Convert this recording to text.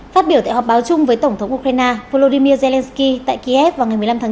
phát biểu tại họp báo chung với tổng thống ukraine volodymyr zelensky tại kiev vào ngày một mươi năm tháng bốn